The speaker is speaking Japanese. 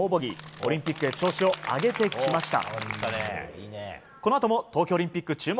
オリンピックへ調子を上げてきました。